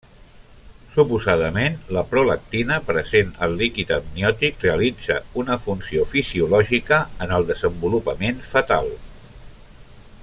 Suposadament, la prolactina present al líquid amniòtic realitza una funció fisiològica en el desenvolupament fetal.